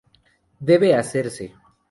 Debe hacerse.